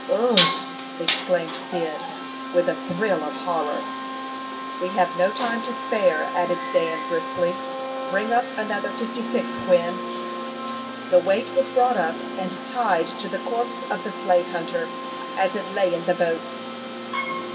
"Ugh!" exclaimed Cyd, with a thrill of horror. "We have no time to spare," added Dan, briskly. "Bring up another fifty six, Quin." The weight was brought up and tied to the corpse of the slave hunter, as it lay in the boat.